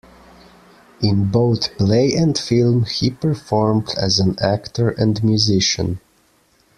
In both play and film he performed as an actor and musician.